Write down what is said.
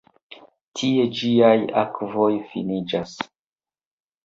Tie ĝiaj akvoj finiĝas.